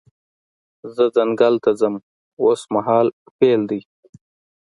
زه ځنګل ته ځم اوس مهال فعل دی.